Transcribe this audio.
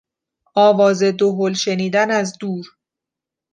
آواز دهل شنیدن از دور...